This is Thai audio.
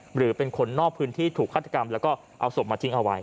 หรือเป็นคนนอกพื้นที่ถูกฆาตกรรมแล้วก็เอาศพมาทิ้งเอาไว้